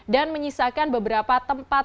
dan menyisakan beberapa tempat